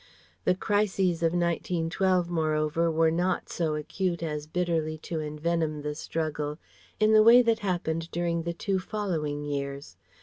The crises of 1912 moreover were not so acute as bitterly to envenom the struggle in the way that happened during the two following years.